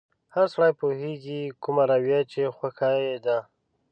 هر سړی پوهېږي کومه رويه يې خوښه ده.